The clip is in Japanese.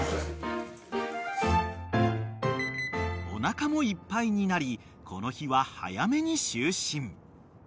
［おなかもいっぱいになりこの日は早めに就寝］